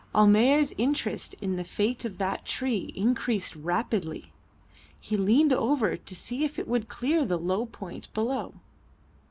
Almayer's interest in the fate of that tree increased rapidly. He leaned over to see if it would clear the low point below.